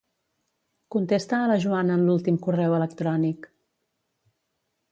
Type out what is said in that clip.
Contesta a la Joana en l'últim correu electrònic.